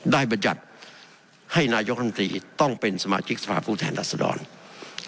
บรรยัติให้นายกรรมตรีต้องเป็นสมาชิกสภาพผู้แทนรัศดร